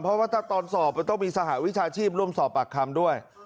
เพราะว่าถ้าตอนสอบมันต้องมีสหวิชาชีพร่วมสอบปากคำด้วย